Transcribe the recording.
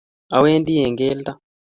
Awendi eng' geldo.